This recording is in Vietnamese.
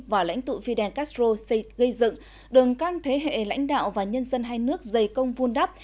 và lãnh tụ phi đèn castro xây dựng đừng các thế hệ lãnh đạo và nhân dân hai nước dày công vun đắp